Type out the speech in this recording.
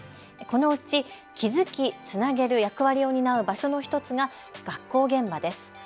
このうち気付き、つなげる役割を担う場所の１つが学校現場です。